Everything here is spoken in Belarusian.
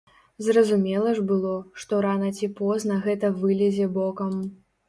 Зразумела ж было, што рана ці позна гэта вылезе бокам.